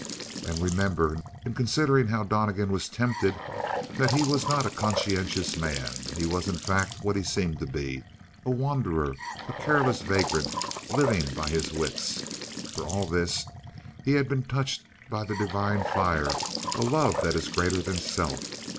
And remember, in considering how Donnegan was tempted, that he was not a conscientious man. He was in fact what he seemed to be a wanderer, a careless vagrant, living by his wits. For all this, he had been touched by the divine fire a love that is greater than self.